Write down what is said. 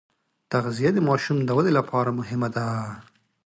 تغذیه د ماشوم د ودې لپاره ډېره مهمه ده.